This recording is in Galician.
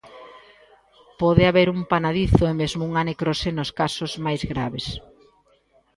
Pode haber un panadizo e mesmo unha necrose nos casos máis graves.